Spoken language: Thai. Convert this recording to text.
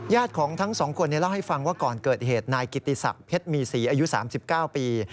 ของทั้งสองคนเล่าให้ฟังว่าก่อนเกิดเหตุนายกิติศักดิ์เพชรมีศรีอายุ๓๙ปี